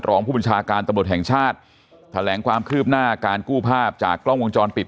รองผู้บัญชาการตำรวจแห่งชาติแถลงความคืบหน้าการกู้ภาพจากกล้องวงจรปิด